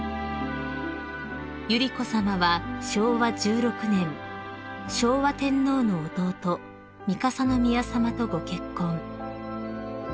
［百合子さまは昭和１６年昭和天皇の弟三笠宮さまとご結婚］